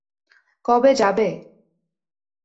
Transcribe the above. কবে যাবে?